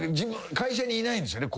会社にいないんですよね後輩。